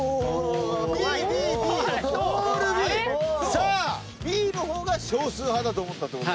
さあＢの方が少数派だと思ったってことですね。